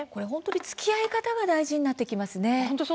つきあい方が大事になってきますね。